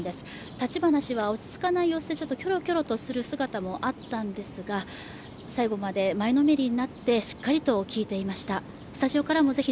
立花氏は落ち着かない様子でキョロキョロする姿もあったんですが、最後まで前のめりになってしっかりと聞いていました。